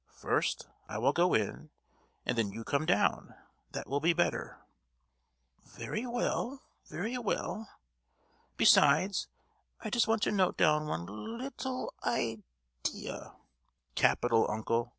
First, I will go in, and then you come down; that will be better!" "Very well, very well. Besides, I just want to note down one little i—dea——" "Capital, uncle!